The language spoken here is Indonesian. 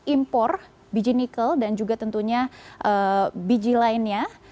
impor biji nikel dan juga tentunya biji lainnya